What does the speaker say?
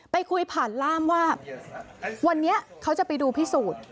ไปคุยผ่านล่ามว่าวันนี้เขาจะไปดูพิสูจน์